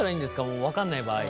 もう分かんない場合。